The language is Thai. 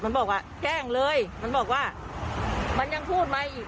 มันบอกว่าแกล้งเลยมันบอกว่ามันยังพูดมาอีก